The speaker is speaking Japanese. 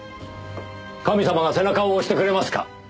神様が背中を押してくれますか？